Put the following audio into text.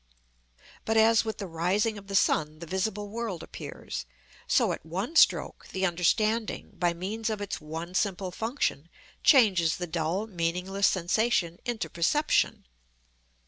But as with the rising of the sun the visible world appears, so at one stroke, the understanding, by means of its one simple function, changes the dull, meaningless sensation into perception.